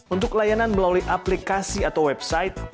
untuk layanan melalui aplikasi atau website